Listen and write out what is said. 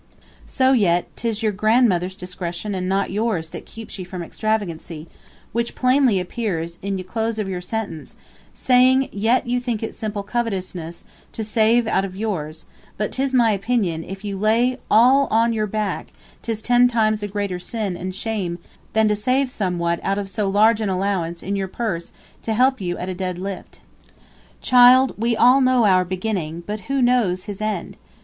So yt 'tis yr Grandmothrs discretion & not yours tht keeps you from extravagancy, which plainly appears in ye close of yr sentence, saying yt you think it simple covetousness to save out of yrs but 'tis my opinion if you lay all on yr back 'tis ten tymes a greater sin & shame thn to save some what out of soe large an allowance in yr purse to help you at a dead lift. Child, we all know our beginning, but who knows his end?